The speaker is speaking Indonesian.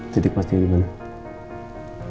titik pastinya di mana